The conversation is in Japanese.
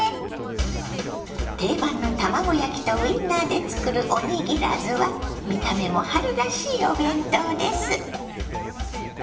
定番の卵焼きとウインナーで作るおにぎらずは見た目も春らしいお弁当です。